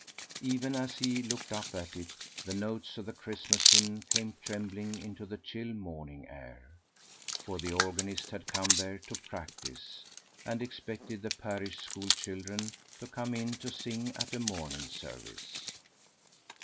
Even as he looked up at it, the notes of the Christmas hymn came trembling into the chill morning air, for the organist had come there to practise, and expected the parish school children to come in to sing at a morning service.